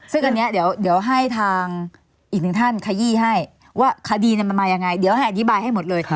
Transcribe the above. ซึ่งอันนี้เดี๋ยวให้ทางอีกหนึ่งท่านขยี้ให้ว่าคดีมันมายังไงเดี๋ยวให้อธิบายให้หมดเลย